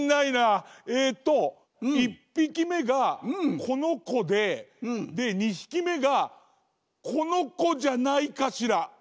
えっと１ぴきめがこのこでで２ひきめがこのこじゃないかしら？